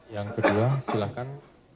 yang kedua silakan